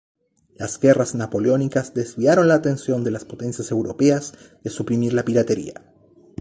Las Guerras napoleónicas desviaron la atención de las potencias europeas de suprimir la piratería.